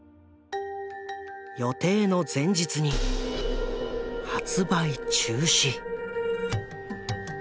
予定の前日に発売中止！